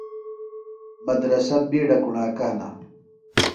مدرسہ بِیڈہ کُݨاکہ ہِنہ۔